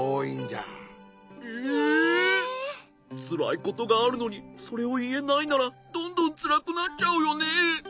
つらいことがあるのにそれをいえないならどんどんつらくなっちゃうよね。